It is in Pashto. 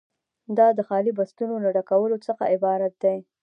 دا د خالي بستونو له ډکولو څخه عبارت دی.